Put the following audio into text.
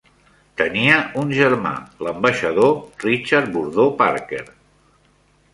Tenia un germà, l'Ambaixador Richard Bordeaux Parker.